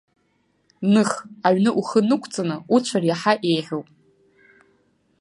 Ных, аҩны ухы нықәҵаны уцәар иаҳа еиӷьуп.